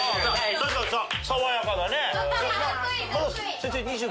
爽やかなね。